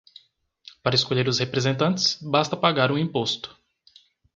Para escolher os representantes, basta pagar um imposto.